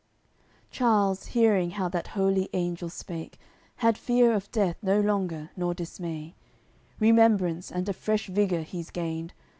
CCLXII Charles, hearing how that holy Angel spake, Had fear of death no longer, nor dismay; Remembrance and a fresh vigour he's gained.